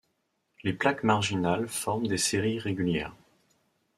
Les plaques marginales forment des séries régulières.